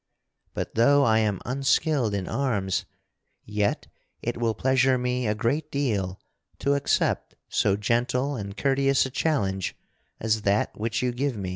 But though I am unskilled in arms, yet it will pleasure me a great deal to accept so gentle and courteous a challenge as that which you give me."